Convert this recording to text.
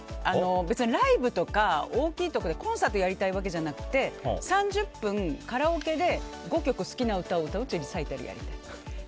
別にライブとか大きいところでコンサートをやりたいわけじゃなくて３０分、カラオケで５曲好きな歌を歌うというリサイタルをやりたい。